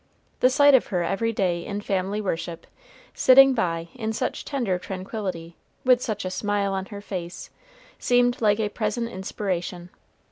The sight of her every day in family worship, sitting by in such tender tranquillity, with such a smile on her face, seemed like a present inspiration.